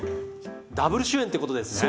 ダブル主演ってことですね。